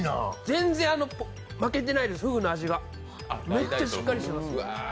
全然負けてないです、ふぐの味がめっちゃしっかりしてます。